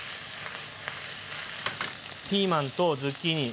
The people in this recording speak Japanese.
ピーマンとズッキーニ。